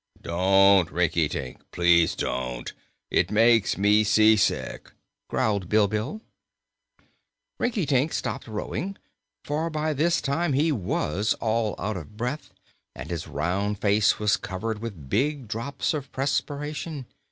"Don't, Rinkitink; please don't! It makes me seasick," growled Bilbil. Rinkitink stopped rowing, for by this time he was all out of breath and his round face was covered with big drops of perspiration.